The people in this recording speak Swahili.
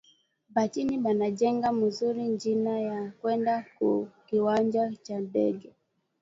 Ba china bana jenga muzuri njia ya kwenda ku kiwanja kya ndege